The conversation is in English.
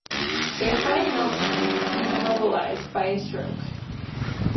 They find Milton, who's immobilized by a stroke.